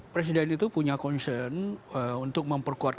presiden itu punya concern untuk memperkuat